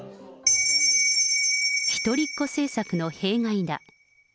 一人っ子政策の弊害だ。